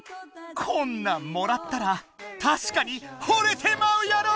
こんなんもらったらたしかにほれてまうやろ！